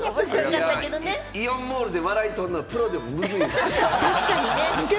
イオンモールで笑いとるのプロでも難しい。